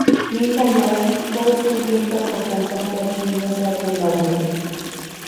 Linda George fue descubierta por cantante asirio Sargon Gabriel.